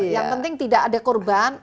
yang penting tidak ada korban